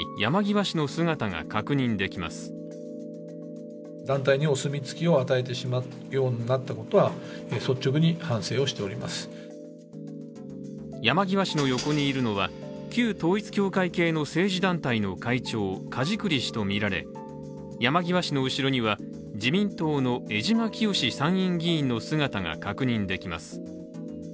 山際氏の横にいるのは旧統一教会系の政治団体の会長、梶栗氏とみられ山際氏の後ろには、自民党の江島潔参議院議員の姿が確認できます。